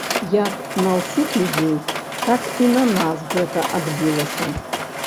Як на ўсіх людзей, так і на нас гэта адбілася.